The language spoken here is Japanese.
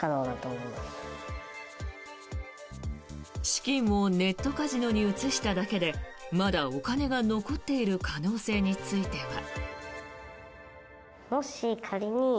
資金をネットカジノに移しただけでまだお金が残っている可能性については。